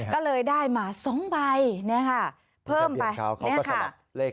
ก็เลยได้มาสองไบพิกัดแบบเลขนิดนึง